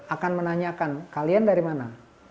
akan menanyakan kalian dari mana